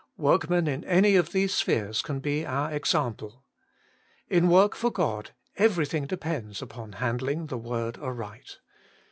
Workmen in any of these spheres can be our example. In work for God everything depends upon handhng the word aright.